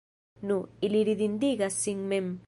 nu, ili ridindigas sin mem.